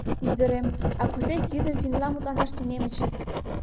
Ӱдырем, а кузе ик йӱдым финнла мутланаш тунемыч?